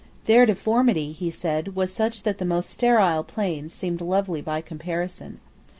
Their deformity, he said, was such that the most sterile plains seemed lovely by comparison.